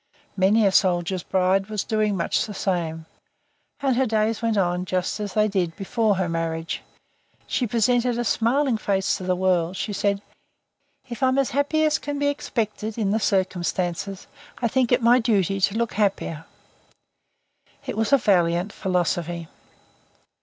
Many a soldier's bride was doing much the same. And her days went on just as they did before her marriage. She presented a smiling face to the world; she said: "If I'm as happy as can be expected in the circumstances, I think it my duty to look happier." It was a valiant philosophy.